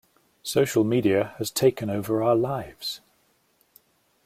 Social media has taken over our lives.